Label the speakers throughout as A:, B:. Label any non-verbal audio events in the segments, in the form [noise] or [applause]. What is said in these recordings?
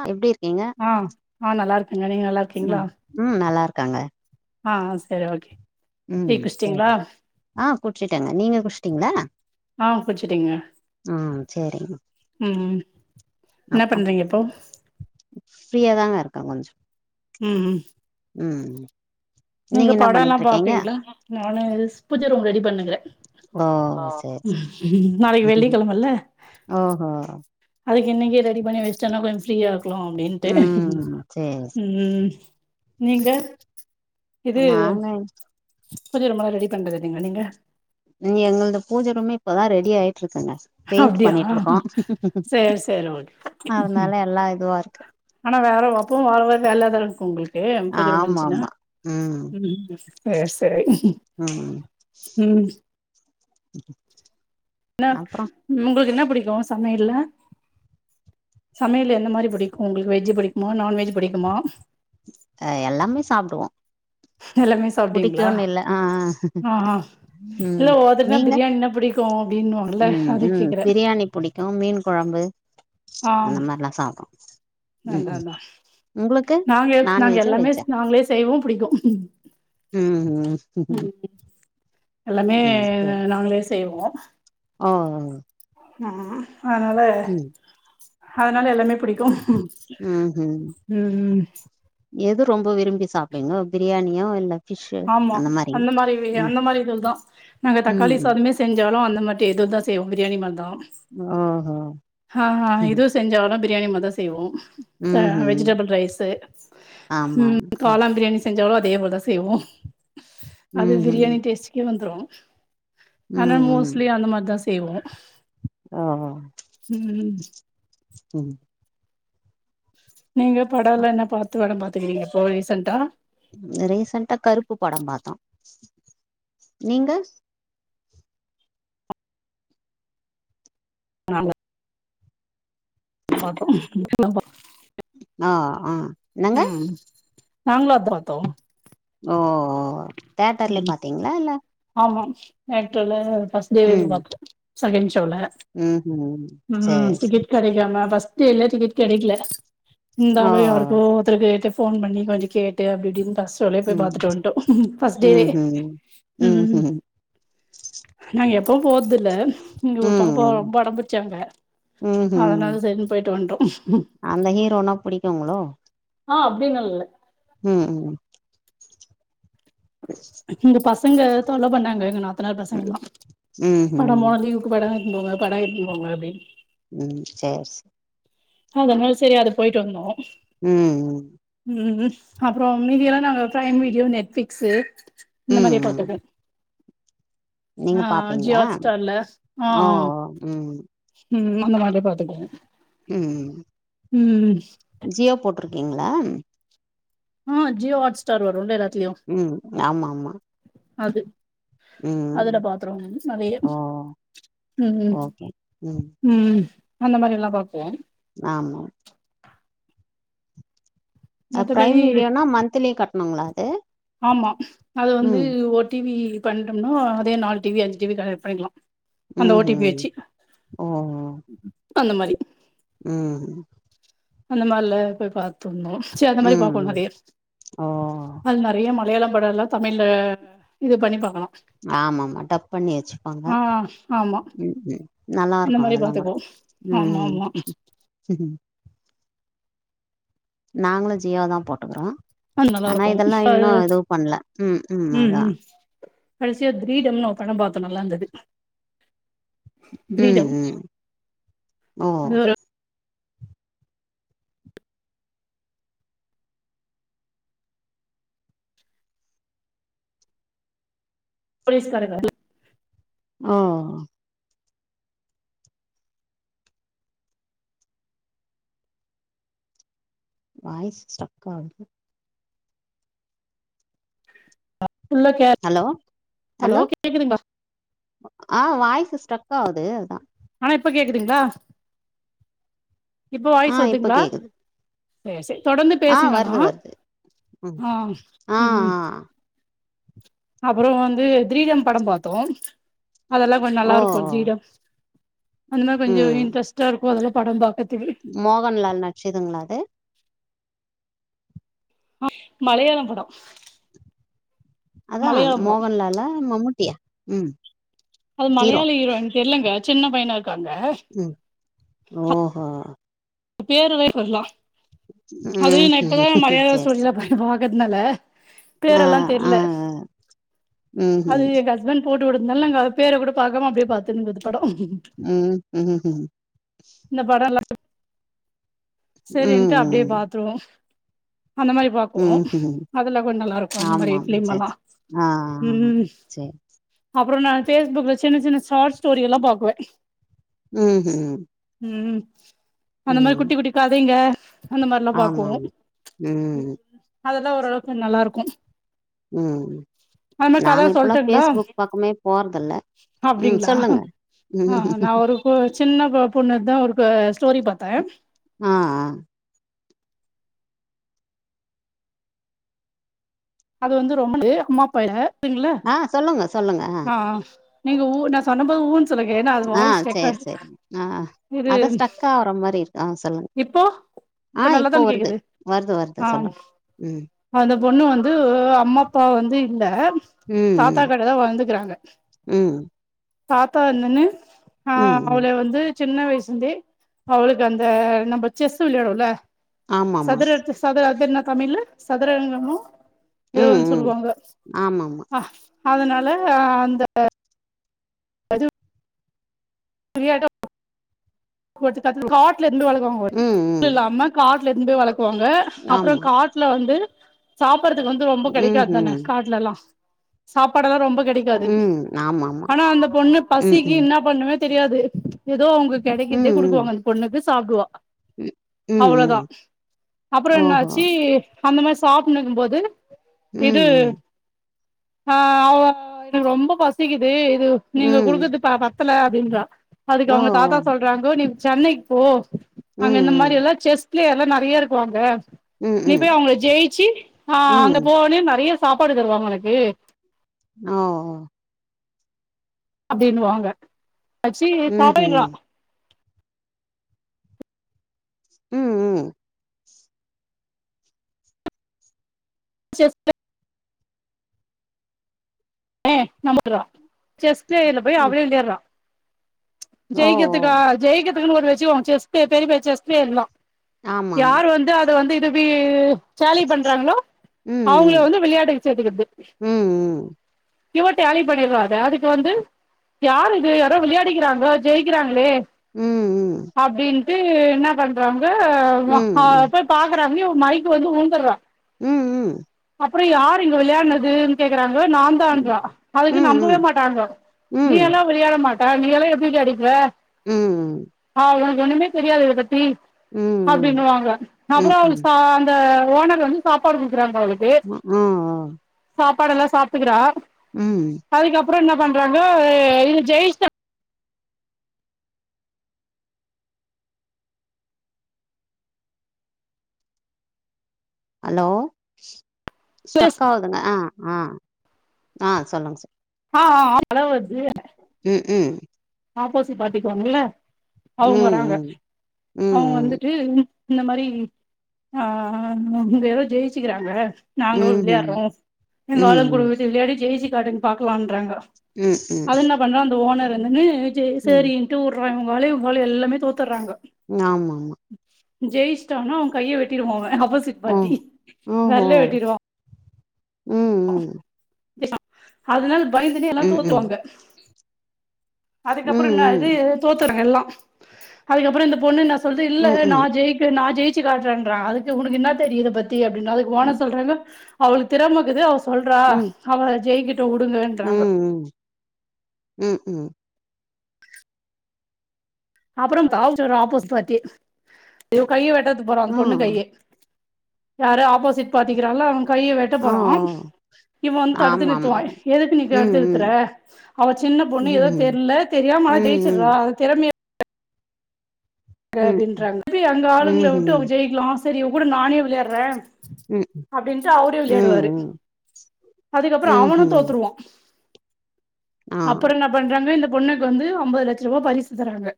A: அ எப்டி இருக்கீங்க
B: ஆ நா நல்ல இருக்கங்க நீங்க நல்லா இரு
A: ம் ம் நல்லா இருக்காங்க
B: ஆ செரி ஓகே டீ
A: ம்
B: குடிச்சிட்டீங்களா?
A: சேரி ஆ குடிச்சுடேங்க நீங்க குடிச்ட்டீங்களா
B: ஆ குடிச்சேட்ங்க
A: சேரிங்க
B: ம் என்ன
A: அப்றோ
B: பண்றீங்க இப்போ
A: ஃப்ரீயா தாங்க இருக்கே கொஞ்சோ
B: ம் ம்
A: ம்
B: நீங்க
A: என்ன
B: படம் எல்லா
A: பண்ணிட்டு இருக்கீங்க
B: பாப்பீங்களா நானு திஸ் பூஜ ரூம் ரெடி பண்ணுகிறே ஓ
A: சேரி
B: நாளைக்கி வெள்ளிக்கெழமல்ல
A: ஓ ஹோ
B: அதுக்கு இன்னைக்கே ரெடி பண்ணி வச்சேன்னா கொஞ்சோ ஃப்ரீயா க்குலோ அப்டின்ட்டு
A: ம் சேரி சேரி
B: ம் நீங்க இது
A: நானு
B: பூஜ ரூம் ல்லா ரெடி பண்றது இல்லைங்களா நீங்க
A: இனி எங்களது பூஜ ரூமே இப்பதா ரெடி ஆயிட்டு ருக்குங்க பெயிண்ட்
B: அப்டியா
A: பண்ணிட்டு இருக்கோ
B: சேரி சேரி ஓகே
A: அதுனால எல்லா இதுவா இருக்கு
B: ஆனா வேற அப்பவு வார வர வேலதா இருக்கு உங்களுக்கு பூஜ ரூம்
A: ஆமா
B: வந்ச்சுனா
A: ஆமா
B: ம் செரி செரி
A: ம்
B: ம் என்ன
A: அப்றோ
B: உங்களுக்கு என்ன பிடிக்கு சமையல்ல சமையல்ல எந்த மாரி பிடிக்கு உங்களுக்கு வெஜ் பிடிக்குமா நான்வெஜ் பிடிக்குமா
A: அ எல்லாமே சாப்டுவோ
B: எல்லாமே சாப்டுவீங்களா
A: புடிக்குன்னு இல்ல ஆ
B: ம் ம் இல்ல
A: ம்
B: ஒவ்வொருத்தருக்கனா
A: நீங்க
B: பிரியாணினா பிடிக்கு அப்டின்னு வாங்கள
A: ம்
B: அதுக்கு
A: ம்
B: கேக்குறே
A: பிரியாணி புடிக்கு மீன் கொழம்பு
B: ஆ
A: அந்த மாரெல்லா சாப்றோ ம்
B: அதா
A: ம்
B: அதா
A: உங்களுக்கு
B: நாங்க
A: நான்
B: நாங்க
A: வெஜ்ஜா
B: எல்லாமே
A: வெஜ்ஜா
B: நாங்களே செய்வோ பிடிக்கு
A: ம்
B: ம் எல்லாமே நாங்களே செய்வோ
A: ஆ
B: ம் அதனால அதனால எல்லாமே பிடிக்கு
A: ஹங்
B: ம் ம்
A: எது ரொம்ப விரும்பி சாப்டுறீங்க பிரியாணியோ இல்ல ஃபிஷ்ஷு
B: ஆமா
A: மாரிங்க
B: அந்த மாரி இவிங்க
A: ம்
B: அந்த மாரி இது தா நாங்க
A: ம்
B: தக்காளி
A: ம்
B: சாதமே செஞ்சாலு அந்த மாட்டி எது தா செய்வோ பிரியாணி மாரி தா
A: ஓஹோ
B: ஹா ஹா
A: ம்
B: இதுஸ் செஞ்சாலு பிரியாணி மாரி தா செய்வோ ம் வெஜிடபிள் ரைஸ்சு ம் காளான் பிரியாணி செஞ்சாலு அதே போலதா செய்வோ அது
A: ம்
B: பிரியாணி
A: ம்
B: டேஸ்டிக்கே வந்துரு ஆனா
A: ம் ம்
B: மோஸ்லியே அந்த மாரிதா செய்வோ
A: ஆ
B: ம்
A: ம்
B: நீங்க படம்ல என்ன பாத்து வட பாத்துக்கிறீங்க இப்போ ரீசன்ட்டா
A: ரீசண்டடா கருப்பு படோ பாத்தோ நீங்க
B: நாங்க பாத்தோ எல்லா பாத்தோ
A: அ அ
B: ம் நாங்ளு அத பாத்தோ
A: ஓ ஓ தேட்டர்லே
B: ம்
A: பாத்திங்ளா இல்ல
B: ஆமா தேட்டர்ல பஸ் டேவே போய்
A: ம்
B: பாத்துடோ செகன்ட்சோல
A: ம்ஹ்ம்
B: ம் ம்
A: சரி சரி
B: டிக்கெட் கெடைக்காம பஸ் டேல டிக்கெட் கெடைக்ல
A: ஓ
B: இந்தாலு யாருக்கோ ஒருத்தருக்கு ஃபோன் பண்ணி கொஞ்சோ கேட்டு அப்டி இப்டின்னு ஃபஸ்டு ரோவே போய்
A: ம்
B: பாத்துட்டு வந்துட்டோ ஃபஸ்டேவே
A: ம்
B: நா எப்போவு போரதுல்ல இங்க ஒரு பாப்ப
A: ம்
B: ரொம்ப அடம்புட்ச்சாங்க
A: ம்ஹ்ம்
B: அதனால சேரினு பொய்ட்டு வன்ட்டோ
A: அந்த ஹீரோனா புடிக்குங்களோ
B: அ அப்பிடின்னல்லா இல்ல
A: ம் ம்
B: இங்க பசங்க தொல்ல பண்ணாங்க எங்க நாத்தனார் பசங்கல்லா
A: ம்ஹ்ம்
B: படமோ லீவ் க்கு படோ இட்டுபோங்க படோ இட்னுபோங்க அப்டின்
A: ம் சேர்
B: அதனால சேரி அது பொய்ட்டு வந்தோ
A: ம்
B: ம் அப்றோ மீதியல்லா நாங்க ஃபிரைம் வீடியோ நெட் ஃப்ளிக்ஸு இந்த
A: ம்
B: மாரியே
A: ம்
B: பாத்துப்போ
A: நீங்க
B: ஆ அ அ ஜியோ
A: பாப்பீங்களா
B: ஹாட்ஸ்டார்ல அ
A: ஓ
B: அ
A: ம்
B: ம் அந்த மாரியே பாத்துக்கோ
A: ம்
B: ம்
A: ஜியோ போட்றுக்கீங்ளா
B: ம் ஜியோ ஹாட் ஸ்டார் வருல்ல எல்லாத்திலியு
A: ம் ஆமா ஆமா
B: அது
A: ம்
B: அதுல பாத்துரோ நெறைய
A: ஓ
B: ம் ம் அந்த மாரி எல்லா பாக்குவோ
A: ஆமா அ
B: மத்தபடி
A: ப்ரைம் வீடியோனா மந்த்லி கட்டணுங்ளா அது
B: ஆமா அது வந்து
A: ம்
B: ஒரு டிவி பண்ட்டோம்னா அதே நாலு டிவி அஞ்சு டிவி கனைக்ட் பண்ணிக்லா அந்த ஓடிபி
A: ம்ஹ்ம்
B: வச்சி
A: ஓ ஓ
B: அந்த மாரி
A: ம்
B: அந்த மாரில போய் பாத்துருந்தோ ச்சி அந்த
A: ம்
B: மாரி பாப்போ
A: ம்
B: நெறைய
A: ஓ
B: அது நெறைய மலையாள படோ எல்லா தமிழ அ இது பண்ணி பாக்லா
A: ஆமா ஆமா டப் பண்ணி வச்சுப்பாங்க
B: ஆமா
A: ம் ம் நல்லா
B: அந்த
A: இருக்கு
B: மாரி
A: அதெல்லா கூட
B: பாத்துக்குவோ ஆமா
A: ம்
B: ஆமா
A: நாங்களு ஜியோதா போட்டுக்குறோ
B: அது நல்லா
A: ஆனா
B: இருக்கு
A: இதெல்லா
B: அது
A: இன்னு இதுவு பண்ல ம் ம் அதா
B: கடைசியா கிரீடம்னு ஒரு படோ பாத்தோ நல்லா இருந்துது
A: ம்
B: கிரீடம்
A: ம் ஓ
B: அது ஒரு போலஸ் காரங்க
A: ஆ வாய்ஸ் ஸ்டக் ஆவுது
B: ஃபுல்லா கே
A: ஹலோ ஹலோ ஆ வாய்ஸு ஸ்டக் ஆவுது அதா
B: ஆனா இப்ப கேக்குதுங்ளா இப்ப
A: ஆ
B: வாய்ஸு
A: இப்ப
B: வருதுங்ளா
A: கேக்குது
B: சே சே தொடர்ந்து
A: ஆ
B: பேசுங்க ஆனா
A: வருது வருது ம்
B: ஆம்
A: ஆ ஆ
B: ம் ம் அப்றோ வந்து திரீடம் படம் பாத்தோ அதெல்லா கொஞ்ச
A: ஓ
B: நல்லா இருக்கு திரீடம் அந்த மாரி கொஞ்ச
A: ம்
B: இன்ட்ரெஸ்டா இருக்கு அதாலா பட பாப்பே தோழி
A: மோகன்லால் நட்ச்சதுங்ளா அது
B: ஹ மலையாள பட
A: அதா
B: படோ
A: மோகன்லாலா மம்மூட்டியா ம்
B: அது
A: ஹீரோ
B: மலையாள ஹீரோங் தெர்லங்க சின்ன பையனா இருக்காங்க
A: ம் ஓஹோ
B: பேரு வேற தெர்ல அதுலயு
A: ம்
B: நா
A: ம்
B: இப்பதாங்க மலையாள
A: சேரி
B: ஸ்டோரிலா
A: சேரி
B: பா பாக்கற்துனால
A: ஆ
B: பேரெல்லா
A: ஆ
B: தெர்ல
A: ம்
B: அது
A: ம்
B: எங் ஹஸ்பண்ட் போட்டு வுட்டதுனால நாங்க அது பேர கூட பாக்காம அப்டியே பாத்துருந்தது படோ
A: ம் ம் ம்
B: இந்த பட எல்லாத்துக்கு சேரின்ட்டு அப்டியே
A: ம்
B: பாத்துருவோ அந்த மாரி பாக்குவோ
A: ம் ம்
B: அதுல கொஞ்ச நல்லா இருக்கு அந்த மாரி
A: ஆமா ஆமா
B: ஃபிலிம் எல்லா
A: சேரி ஆ சேரி
B: அப்றோ நா ஃபேஸ்புக்ல சின்ன சின்ன ஷாட் ஸ்டோரியெல்லா பாக்குவே
A: ம் ம்
B: ம் அந்த மாரி
A: ம்
B: குட்டி குட்டி கதைங்க அந்த மார்லா
A: ஆமா
B: பாக்குவோ
A: ஆமா ம்
B: அதெல்லா ஓரளவுக்கு நல்லா இருக்கு
A: ம்
B: அது மாரி
A: நாங்க
B: கத
A: இப்பலா
B: சொல்ட்டுங்களா
A: ஃபேஸ்புக் பக்கமே போறதில்ல ம்
B: அப்டிங்களா
A: சொல்லுங்க
B: ஆ
A: ம்
B: நா ஒரு சின்ன ப பொண்ணுதுதா ஒருக்கா ஸ்டோரி பாத்தே
A: ஆ ஆ
B: அது வந்து ரொம்ப [inaudible] அம்மா அப்பா ‌இல்ல [inaudible] ங்களா
A: ஆ சொல்லுங்க சொல்லுங்க
B: ஆ ஆ நீங்க ஊ நா சொன்னம்போது ஊன்னு சொல்லுங்க ஏனா அது
A: ஆ
B: வாய்ஸ்
A: சேரி
B: ரெக்காட் இது
A: ஆரம் மாரி இருக்கு ஆ சொல்லுங்
B: இப்போ இப்ப நல்லாதான கேக்குது
A: வருது வருது
B: ஆம்
A: சொல்லுங்க ம்
B: அந்த பொண்ணு வந்து உ அம்மா அப்பா வந்து இல்ல
A: ம் ம்
B: தாத்தா கெட்டதா வளந்துக்கிறாங்க
A: ம்
B: தாத்தா வந்துன்னு ஆ
A: ம்,
B: அவள
A: ம்.
B: வந்து சின்ன வயசுருந்தே அவளுக்கு அந்த நம்ப செஸ்ஸு விளையாடுவோல
A: ஆமாமா.
B: சதுரட்ச் சதுர அதுக்கு என்ன தமிழ்ல சதுரங்கமோ எதோ
A: ம்,
B: ஒன்னு
A: ம்.
B: சொல்லுவாங்க
A: ஆமாமா.
B: ஆ அதனால ஆ அந்த அது [unintelligible] ஒவ்வொருத்த காட்டுல காட்லருந்து வளக்குவாங்க
A: ம், ம்.
B: [inaudible] இல்லாம காட்லருந்து வளக்குவாங்க அப்றோ
A: ஆமா.
B: காட் ட்ல வந்து சாப்பட்றதுக்கு வந்து ரொம்ப கெடைக்காது தான
A: ம்ஹ்ம்.
B: காட்லெல்லா சாப்பாடெல்லா ரொம்ப கெடைக் காது
A: ம். ஆமாமா.
B: ஆனா அந்த பொண்ணு
A: ம்,
B: பசிக்கு
A: ம்.
B: இன்னாப் பண்ணுமே தெரியாது எதோ அவுங்க
A: ம்,
B: கெடைக்கற்தே
A: ம்.
B: குடுக்குவாங்க அந்த பொண்ணுக்கு சாப்டுவா
A: ம். ம்,
B: அவளதா
A: ம்.
B: அப்றோ
A: ஓஹோ!
B: என்னாச்சி அந்த மாரி சாப்ணிக்கும்போது இது
A: ம், ம்.
B: ஆ அவ எனக்கு ரொம்ப பசிக்குது இது நீங்க
A: ம்.
B: குடுக்கது ப பத் த்துல அப்டின்றா அதுக்கு
A: ஓ!
B: அவுங்க தாத்தா
A: ஓ!
B: சொல்றாங்கோ நீ சென்னைக்கு போ
A: ம்,
B: அங்க இந்த
A: ம்.
B: மாரி எல்லா செஸ் ப்ளேயர்ல்லா நெறைய இருக்குவாங்க
A: ம்,
B: நீ
A: ம்.
B: போய் அவுங்கள ஜெய்ச்சு ஆ அங்க
A: ம்.
B: போனே நெறைய சாப்பாடு தருவாங்க ஒனக்கு
A: நௌ
B: அப்டின்னுவாங்க அச்சி
A: ம்ஹ்ம்.
B: பாயட்றா
A: ம் ம்
B: செஸ் ப்ளே [inaudible] செஸ் ப்ளேயர்ல போய்
A: ம்.
B: அவளே விளையாட்றா
A: ஓ!
B: ஜெயிக்கத்துக்கா
A: ஓ!
B: ஜெயிக்கத்துக்குன் ஒரு வச்சிக்கோங் செஸ் ப்ளே பெரிய பெரிய செஸ் ப்ளேயர்ல்லா
A: ஆமாமா.
B: யாரு வந்து அத வந்து இதுபி சேலி பண்றாங்களோ அவங்கள
A: ம்,
B: வந்து விளையாட்டுக் சேத்துக்குறது
A: ம்.
B: இவ டேலி பண்ணிடுவத அதுக்கு வந்து யாரு இது யாரோ விளையாடிக்கிறாங்க ஜெயிக்கிறாங்ளே
A: ம் ம்
B: அப்டின்ட்டு என்ன பண்றாங்க
A: ம்,
B: ஆ
A: ம்.
B: போய் பாக்கறாங்க இவ மைக்கு வந்து ஊலுந்துடுறா
A: ம் ம்
B: அப்புறோ யார் இங்க விளையாடுனதுன் கேக்குறாங்க நான் தான்றா அதுக்கு
A: ம்,
B: நம்பவே
A: ம்.
B: மாட்டங்க
A: ம்,
B: நீ எல்லா
A: ம்.
B: விளையாட மாட்ட நீ எல்லா எப்டி விளயாடிக்குவ
A: ம். ம், ம்.
B: ஆ உனக்கு ஒண்ணுமே தெரியாது இது பத்தி
A: ம், ம்.
B: அப்டின்னுவாங்க
A: ம்,
B: அப்புறோ
A: ம்.
B: அவளுக்கு சா அந்த ஓனர் வந்து சாப்பாடு குடுக்குறாங்க அவளுக்
A: ஆ ஆ
B: சாப்பாடு எல்லா சாப்ட்டுக்குறா
A: ம்
B: அதுக்கப்புறோ என்ன பண்றாங்க இது ஜெய்ஷா
A: ஹலோ ஸ்டக் ஆவுதுங்க ஆ ஆ ஆ சொல்லுங்க சொல்
B: ஆ ஆ மழ வர்து
A: ம் ம்
B: ஆப்போசிட் பாட்டிக்குவாங்கல்ல அவங்க
A: ம்
B: வராங்க
A: ம்
B: அவங்க
A: ம் ம்
B: வந்துட்டு இந்த மாரி ஆ இவங்க யாரொ ஜெயிச்சிக்கிறாங்க நாங்களு விளையாடுறோ
A: ம்ஹும்
B: எங்க
A: ம்
B: ஆளங்குடு வந்து விளையாடி ஜெய்ச்சி காட்டு பாக்கலான்றாங்க
A: ம் ம்
B: பண்ன அந்த ஓனர் வந்துன்னு சே
A: ம் ம்
B: சேரின்ட்டு உடுற உங்களாலே உங்களாலு எல்லாமே தோத்துறாங்க
A: ஆமாமா
B: ஜெயிச்ச்டான்னா அவ கைய வெட்டிருவா அவ ஆப்போசிட்
A: ஓ
B: பார்ட்டி
A: ஓஹோ
B: வெரலே வெட்டிருவா
A: ம் ம்
B: அதனால பயந்துடு எல்லா
A: ம் ம்
B: தோத்துருவாங்க அதுக்கப்புறோ என்ன ஆகுது
A: ம்
B: தோத்தரங்க எல்லா அதுக்கப்புறோ இந்த பொண்ணு என்ன சொல்து
A: ம்
B: இல்ல
A: ம்
B: நா
A: ம்
B: ஜெயிக் நா ஜெய்ச்சு காட்டுறேன்றா அதுக்கு உனக்கு என்ன தெரியு இத பத்தி அப்டின்னு அதுக்கு ஒனர் சொல்றாங்க அவளுக்கு திறமைக்குது அவ சொல்றா
A: ம்
B: அவ ஜெய்க்கிட்டு உடுங்கன்றாங்க
A: ம் ம்
B: அப்புறோ த ஆப்பூஸ் பாத்தி இ கையை வெட்டது போற அ
A: ஆ
B: பொண்ணு கைய யாரு ஆப்போசிட் பார்ட்டி இருகிறான்ல அவ கையை வெட்ட
A: ஆ
B: போறா இவன் வந்து தடுத்து நிறத்துவா
A: ஆமாமா
B: எதுக்கு நீ
A: ம்
B: தடுத்து
A: ம்
B: நிறுத்துற அவ சின்ன பொண்ணு ஏதோ
A: ம்ஹும்
B: தெர்ல தெரியாம ஆனா
A: ம்
B: ஜெயிச்சறா
A: ம்
B: திறமைய க்கு
A: ம்
B: அப்டின்றாங்க எப்டி எங்க ஆளுங்கள விட்டு அவுங்க
A: ம்ஹும்
B: ஜெயிக்கலா செரி இவ கூட நானே விளையாடுறே
A: ம்
B: அப்டின்ட்டு அவரே
A: ம்
B: விளையாடுவாரு
A: ம்
B: அதுக்கப்பறோ அவனு
A: ம்ஹும்
B: தோத்துருவா
A: ஆ
B: அப்பறோ என்ன பண்றாங்க இந்த பொண்ணுக்கு வந்து ஐம்பது லட்ச ரூவா பரிசுத்தறாங்க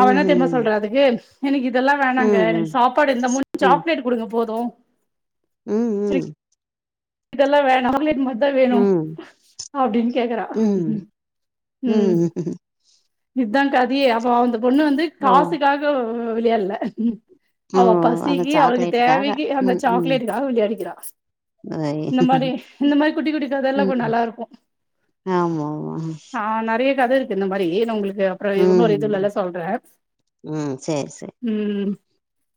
B: அவ என்ன தெரியுமா சொல்றா அதுக்கு எனக்கு இதெல்லா
A: ம்
B: வேணாங்க
A: ம்
B: எனக்கு சாப்பாடு இருந்தா மூணும் சாக்லேட் குடுங்க போதும்
A: ம் ம்
B: இதெல்லா வேணா சாக்லேட் மட்டு இதா வேணு
A: ம்
B: அப்டின்னு கேக்குறா
A: ம்
B: ம் இதுதா கதையே அப்போ அந்த பொண்ணு வந்து
A: ஓ
B: காசுக்காக விளையாட்ல
A: ஓ
B: அவ
A: அந்த
B: பசிக்கி அவளுக்கு
A: சாக்லேட்டுக்காக
B: தேவைக்கி அந்த
A: ம் ம்
B: சாக்லேட்டுக்காக விளையாடிக்கிறா
A: ஐ
B: இந்த மாரி இந்த மாரி குட்டி குட்டிக் கதையெல்லா
A: ம்
B: கூட நல்லா இருக்கு
A: ஆமா ஆமா
B: ஆ நெறையா கதை இருக் கு இந்த மாரி நா உங்களுக் கு அப்பறோ
A: ம்
B: இன்னோரு இதுலல்லா சொல்றே
A: ம் சேரி சேரி
B: ம்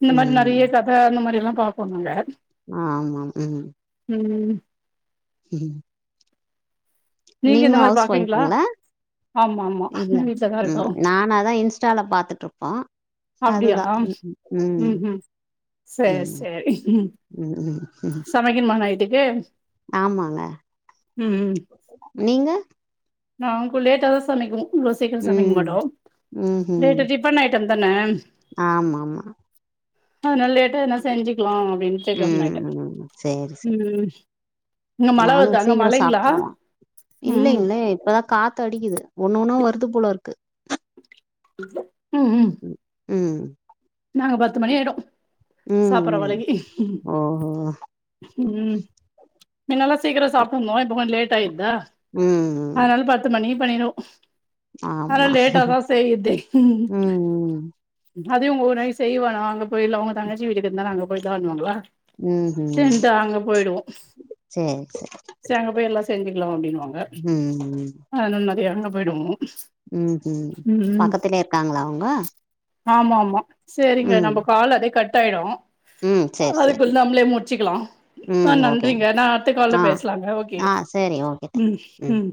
B: இந்த மாரி
A: ம்
B: நெறையா கத அந்த மாரியெல்லா பாப்போ நாங்க
A: ஆ ஆமாம் ம்
B: ம் ம்
A: ம்
B: நீங்க இந்த
A: நீங்களு
B: மாரி
A: ஹவுஸ்
B: பாக்குறீங்களா?
A: ஒய்ஃப்புங்களா
B: ஆமா ஆமா
A: இல்ல
B: வீட்லதா இருக்கோ.
A: ம் நானாதா இன்ஸ்டால பாத்துட்ருப்போ அதுதா
B: அப்டியா?
A: ம் ம்
B: ம்ஹ்ம்.
A: ஹும் ம்
B: சேரி
A: ம் ம் ம் ம்
B: மகிமா நைட்டுக்கு
A: ஆமாங்க நீங்க
B: நாங்குள் லேட்டா தா சமைக்கனு இவ்ளோ சீக்கிரோ சமைக்க
A: ம்
B: மாட்டோ
A: ம்ஹும்
B: லேட்டா ரிபன் ஐட்டம் தான
A: ஆமா ஆமா
B: அதுனால லேட்டா எதனா செஞ்சுக்லா அப்டின்டு சேர்
A: ம்
B: கம்முன்னாயிட்டே
A: ம் சேரி சேரி
B: ம் இங்க மழ வருது அங்க மழைங்ளா
A: இல்லைங்ளே இப்பதா காத்து அடிக்குது ஒன்னு ஒன்னா வருது போல இருக்கு
B: ம் ஹும்
A: ம்
B: நாங்க பத்து மணி ஆயிடு சாப்புற
A: ம் ம்.
B: வரைக்கி
A: ஓஹோ
B: ம் மின்னெல்லா சீக்கரோ சாப்ட்ருந்தோ இப்ப கொஞ்ச லேட்டாயிற்தா
A: ம் ம்
B: அதுனால பத்து மணிக்கு பண்ணிருவோ அதுனால
A: ஆமா
B: லேட்டாதா செய்றதே ம் ம் அதையு இவுங்க ஒரு நாளைக்கி செய்வோனா அங்க போய் இல்ல அவுங்க தங்கச்சி வீடு இருக்குதுனால அங்க போய் தான் பண்ணுவாங்களா
A: ம் ஹும்
B: செரிண்டு அங்க போயிடுவோ சேர் அங்க போய் எல்லா செஞ்சுக்கலா அப்டின்னுவாங்க
A: ம்
B: அதுனால நெறையா அங்க போய்டுவோ
A: ம் ம் பக்கத்துலே இருக்காங்களா அவுங்க
B: ஆமா ஆமா செரிங்க நம்ம கால் அதே கட் ஆயிடும்
A: ம் சேரி
B: அது
A: சேரி
B: கொஞ் நம்மளே முடிச்சிக்கலாம் ஆ
A: ம் ஓகேங்க
B: நன்றிங்க நா அடுத்த கால்ல
A: ஆ
B: பேசலாங்க ஓகே
A: ஆ சேரி ஓகே தேங்க்
B: ம் ம்